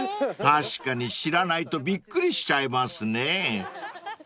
［確かに知らないとびっくりしちゃいますね］